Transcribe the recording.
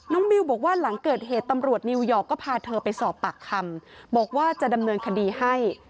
มิวบอกว่าหลังเกิดเหตุตำรวจนิวยอร์กก็พาเธอไปสอบปากคำบอกว่าจะดำเนินคดีให้